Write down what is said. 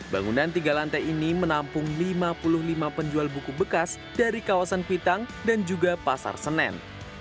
bangunan tiga lantai ini menampung lima puluh lima penjual buku bekas dari kawasan kuitang dan juga pasar senen